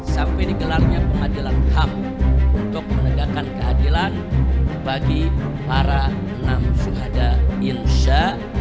sampai dikelarnya pengadilan ham untuk menegakkan keadilan bagi para enam syuhada insya